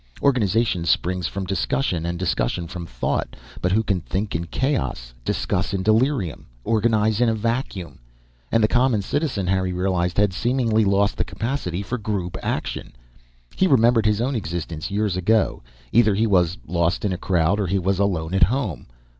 Organization springs from discussion, and discussion from thought but who can think in chaos, discuss in delirium, organize in a vacuum? And the common citizen, Harry realized, had seemingly lost the capacity for group action. He remembered his own existence years ago either he was lost in a crowd or he was alone, at home.